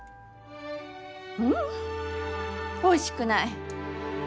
ううんおいしくない。